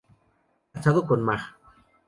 Casado con Mag.